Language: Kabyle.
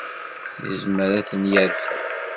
Yezmer ad ten-yernu.